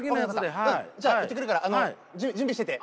分かったじゃあ行ってくるから準備してて。